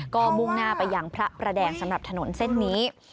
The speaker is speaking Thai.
ก็มุ่งหน้าไปยังพระประแดงสำหรับถนนเส้นนี้